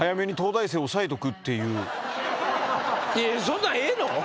そんなんええの？